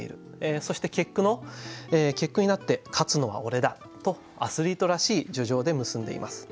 そして結句になって「勝つのは俺だ」とアスリートらしい叙情で結んでいます。